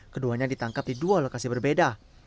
keduanya ditangkap di dua lokasi berbeda